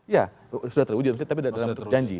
ya sudah terwujud tapi dalam bentuk janji